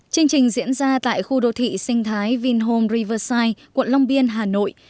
chương trình diễn ra tại khu đô thị sinh thái vinhom riverside quận long biên hà nội